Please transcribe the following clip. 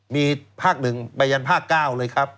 มีภาคหนึ่งไปยันภาคเก้าเลยครับ